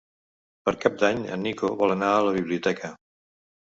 Per Cap d'Any en Nico vol anar a la biblioteca.